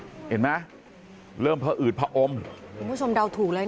นี่เห็นไหมเริ่มพออืดพออมผู้ชมเดาถูกน่ะเอะ